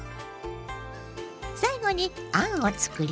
最後にあんをつくります。